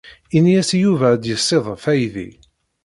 Ini-as i Yuba ad d-yessidef aydi.